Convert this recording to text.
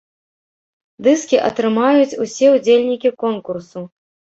Дыскі атрымаюць усе удзельнікі конкурсу!